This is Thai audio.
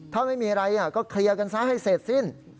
ถ้าไม่มีอะไรก็เคลียร์กันซะให้เสร็จสิ้น